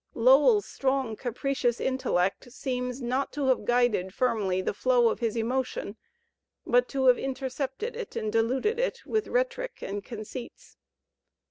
Lowell's strong, capricious intellect seems not to have guided firmly the flow of his emotion but to have intercepted it and diluted it with rhetoric and conceits.